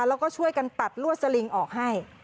แล้วก็ช่วยกันตัดลวดสลิงออกให้